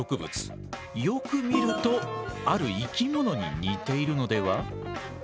よく見るとある生き物に似ているのでは？